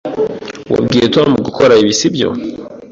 Wabwiye Tom gukora ibi, sibyo?